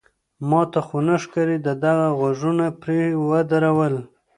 ما ته خو نه ښکاري، ده هم غوږونه پرې ودرول.